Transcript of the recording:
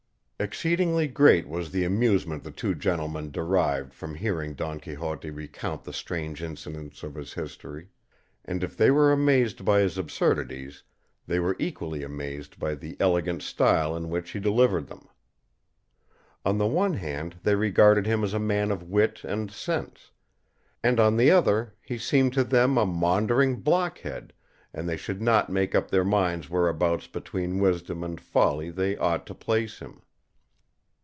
Exceedingly great was the amusement the two gentlemen derived from hearing Don Quixote recount the strange incidents of his history; and if they were amazed by his absurdities they were equally amazed by the elegant style in which he delivered them. On the one hand they regarded him as a man of wit and sense, and on the other he seemed to them a maundering blockhead, and they could not make up their minds whereabouts between wisdom and folly they ought to place him.